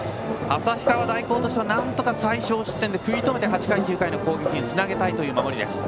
旭川大高としてはなんとか最少失点で食い止めて８回、９回の攻撃につなげたいという守りです。